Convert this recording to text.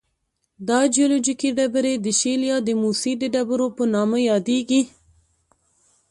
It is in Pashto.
دا جیولوجیکي ډبرې د شیل یا د موسی د ډبرو په نامه یادیږي.